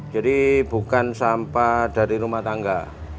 jadi bukan sampah dari rumah tangga